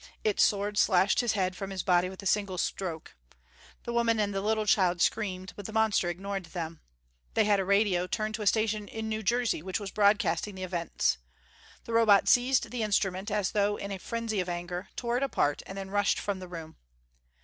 Its sword slashed his head from his body with a single stroke. The woman and the little child screamed, but the monster ignored them. They had a radio, tuned to a station in New Jersey which was broadcasting the events. The Robot seized the instrument as though in a frenzy of anger, tore it apart, then rushed from the room.